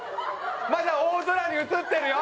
まだ大空に映ってるよ！